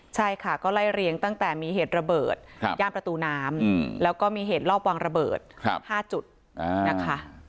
ใช่ค่ะก็ไล่เรียงตั้งแต่มีเหตุระเบิดย่านประตูน้ำแล้วก็มีเหตุรอบวางระเบิด๕จุดนะคะ